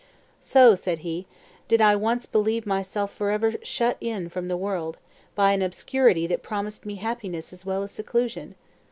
"So," said he, "did I once believe myself forever shut in from the world, by an obscurity that promised me happiness as well as seclusion!